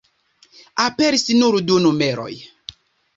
Aperis nur du numeroj.